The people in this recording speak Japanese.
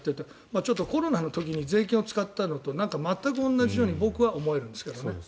ちょっとコロナの時に税金を使ったのとなんか全く同じように僕は思えるんですけどね。